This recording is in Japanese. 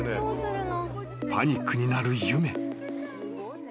［パニックになるゆめ］